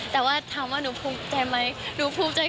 แต่ว่าถามว่าหนูภูมิใจไหมหนูภูมิใจ